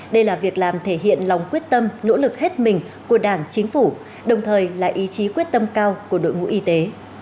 đây là việc làm thể hiện lòng quyết tâm nỗ lực hết mình của đảng chính phủ đồng thời là ý chí quyết tâm cao của đội ngũ y tế